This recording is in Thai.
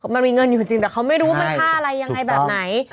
มันมีเงินอยู่จริงแต่เขาไม่รู้ว่ามันค่าอะไรยังไงแบบไหน